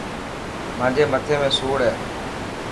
مانجي مٿي ۾ سوڙ هي.